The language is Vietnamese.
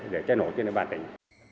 để cháy nổ trên địa bàn tỉnh